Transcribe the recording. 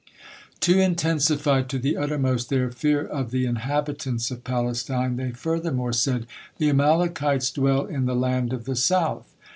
To intensify to the uttermost their fear of the inhabitants of Palestine, they furthermore said: "The Amalekites dwell in the land of the South."